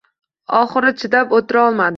Oxiri chidab o‘tirolmadi.